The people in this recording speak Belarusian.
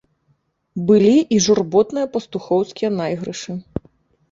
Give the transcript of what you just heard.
Былі і журботныя пастухоўскія найгрышы.